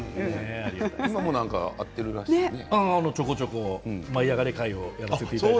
今も会っているらしいですね。